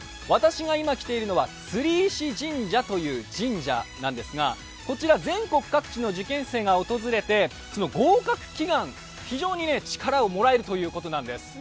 私が今来ているのは釣石神社という神社なんですがこちら全国各地の受験生が訪れて合格祈願、非常に力をもらえるということなんです。